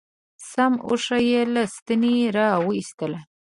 سم اوښ یې له ستنې را و ایستلو.